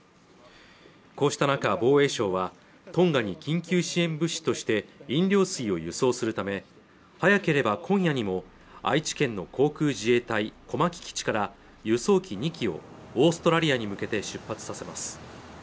こうした中、防衛省はトンガに緊急支援物資として飲料水を輸送するため早ければ今夜にも愛知県の航空自衛隊小牧基地から輸送機２機をオーストラリアに向けて出発させます